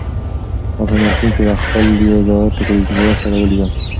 ما په مېلمستون کې له خپل یو زاړه ټولګیوال سره ولیدل.